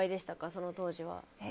その当時は。